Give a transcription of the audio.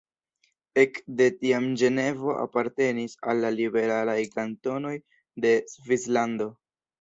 Ek de tiam Ĝenevo apartenis al la liberalaj kantonoj de Svislando.